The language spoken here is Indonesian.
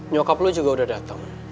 nyokap lo juga udah datang